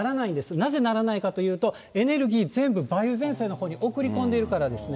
なぜならないかというと、エネルギー全部、梅雨前線のほうに送り込んでいるからですね。